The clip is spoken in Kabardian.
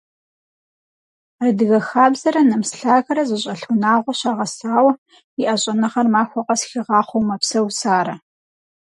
Адыгэ хабзэрэ нэмыс лъагэрэ зыщӏэлъ унагъуэ щагъэсауэ, иӏэ щӏэныгъэр махуэ къэс хигъахъуэу мэпсэу Сарэ.